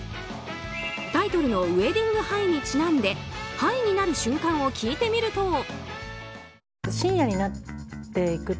タイトルの「ウェディング・ハイ」にちなんでハイになる瞬間を聞いてみると。